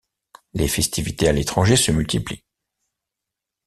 Les festivités à l'étranger se multiplient.